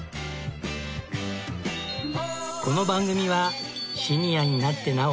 この番組はシニアになってなお